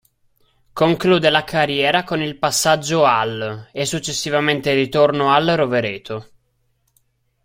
Conclude la carriera con il passaggio al e successivamente il ritorno al Rovereto.